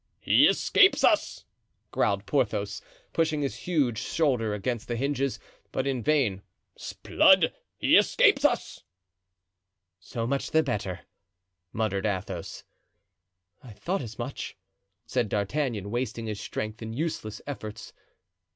"He escapes us," growled Porthos, pushing his huge shoulder against the hinges, but in vain. "'Sblood! he escapes us." "So much the better," muttered Athos. "I thought as much," said D'Artagnan, wasting his strength in useless efforts.